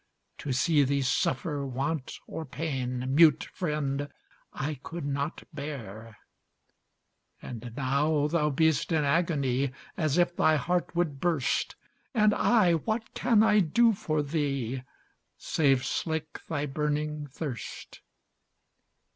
To see thee suffer want or pain, Mute friend I could not bear; And now, thou best in agony, As if thy heart would burst, And I, what can I do for thee, Save slake thy burning thirst?